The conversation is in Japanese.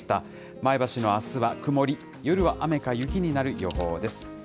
前橋のあすは曇り、夜は雨が雪になる予報です。